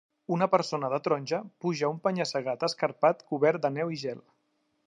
Una persona de taronja puja un penya-segat escarpat cobert de neu i gel.